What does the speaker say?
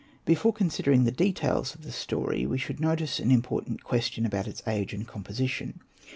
Before considering the details of the story, we should notice an important question about its age and composition.